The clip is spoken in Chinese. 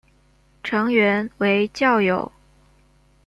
成员为教友。